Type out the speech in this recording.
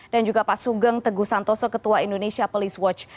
dan juga pak sugeng teguh santoso ketua indonesia police watch